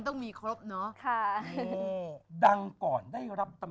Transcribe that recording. ถูกทีสูงเท่าเลยน่ะ